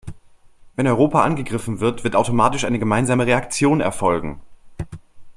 Wenn Europa angegriffen wird, wird automatisch eine gemeinsame Reaktion erfolgen!